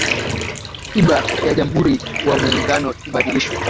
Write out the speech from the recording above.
iba ya jamhuri wa muungano ibadilishwe